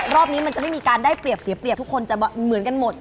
รอบนี้มันจะไม่มีการได้เปรียบเสียเปรียบทุกคนจะเหมือนกันหมด